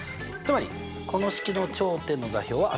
つまりこの式の頂点の座標は？